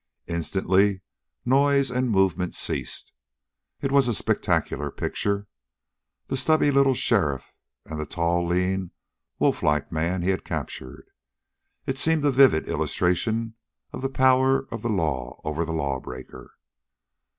Instantly noise and movement ceased. It was a spectacular picture, the stubby little sheriff and the tall, lean, wolflike man he had captured. It seemed a vivid illustration of the power of the law over the lawbreaker.